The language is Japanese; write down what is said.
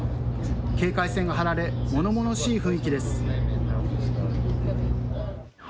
警戒線がはられものものしい雰囲気です。